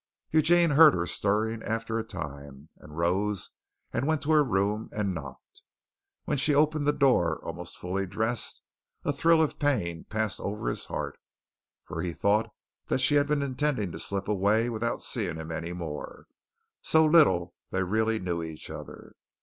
Eugene heard her stirring after a time, and rose and went to her room and knocked. When she opened the door almost fully dressed a thrill of pain passed over his heart, for he thought that she had been intending to slip away without seeing him any more so little they really knew each other.